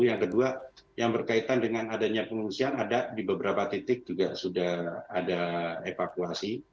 yang kedua yang berkaitan dengan adanya pengungsian ada di beberapa titik juga sudah ada evakuasi